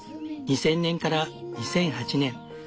２０００年から２００８年